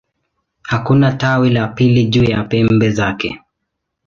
Hakuna tawi la pili juu ya pembe zake.